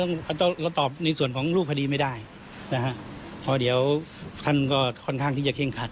เราเราตอบในส่วนของรูปคดีไม่ได้นะฮะเพราะเดี๋ยวท่านก็ค่อนข้างที่จะเคร่งคัด